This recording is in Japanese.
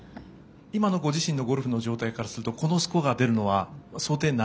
今のご自身のゴルフの状態からしてこのスコアが出るのは想定内？